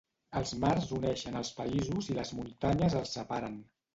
Els mars uneixen els països i les muntanyes els separen.